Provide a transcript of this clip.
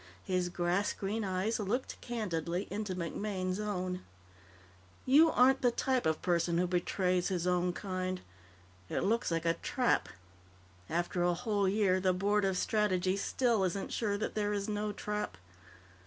His grass green eyes looked candidly into MacMaine's own. "You aren't the type of person who betrays his own kind. It looks like a trap. After a whole year, the Board of Strategy still isn't sure that there is no trap."